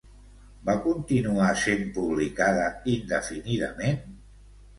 Va continuar sent publicada indefinidament?